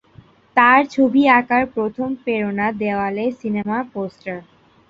তার ছবি আকার প্রথম প্রেরণা দেওয়ালে সিনেমার পোস্টার।